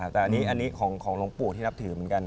แต่อันนี้ของหลวงปู่ที่นับถือเหมือนกัน